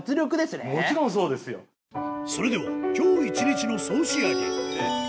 それでは今日一日の総仕上げ